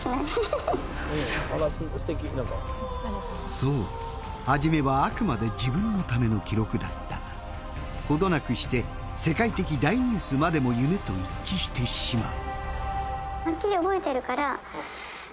そう初めはあくまで自分のための記録だったがほどなくして世界的大ニュースまでも夢と一致してしまう。